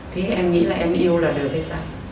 thế em nghĩ là em yêu là được hay sao